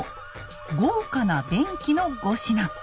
「豪華な便器」の５品。